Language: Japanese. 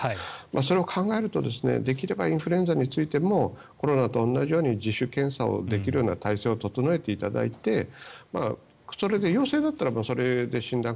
それを考えると、できればインフルエンザについてもコロナと同じように自主検査をできるような体制を整えていただいてそれで陽性だったらそれで診断